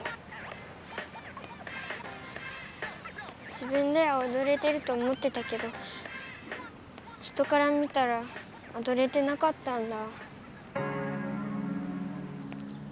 自分では踊れてると思ってたけど人から見たら踊れてなかったんだ。